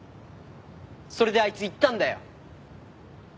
それであいつ言ったんだよ。